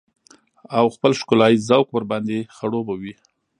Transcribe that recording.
او خپل ښکلاييز ذوق ورباندې خړوبه وي.